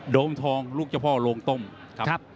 มทองลูกเจ้าพ่อโรงต้มครับ